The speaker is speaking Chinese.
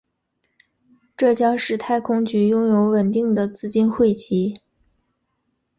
这将使太空局拥有稳定的资金汇集。